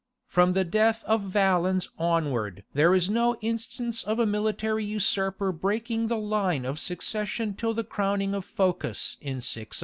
From the death of Valens onward there is no instance of a military usurper breaking the line of succession till the crowning of Phocas in 602.